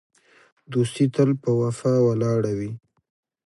دوستي تل په وفا ولاړه وي.